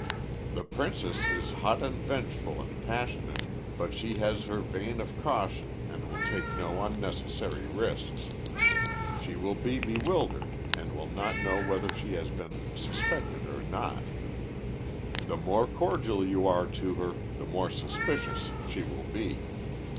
"The princess is hot and vengeful and passionate, but she has her vein of caution and will take no unnecessary risks. She will be bewildered and will not know whether she had been suspected or not. The more cordial to her you are the more suspicious she will be.